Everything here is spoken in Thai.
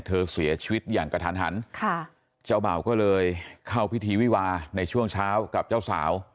เธอเสียชีวิตอย่างกระทันหันค่ะเจ้าบ่าวก็เลยเข้าพิธีวิวาในช่วงเช้ากับเจ้าสาว